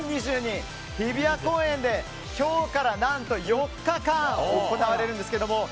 日比谷公園で今日から何と４日間行われるんですけども。